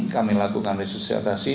kami lakukan resusiatasi